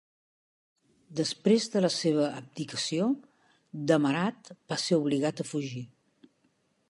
Després de la seva abdicació, Demarat va ser obligat a fugir.